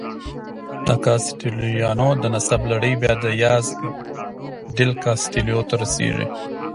د کاسټیلویانو د نسب لړۍ بیا دیاز ډیل کاسټیلو ته رسېږي.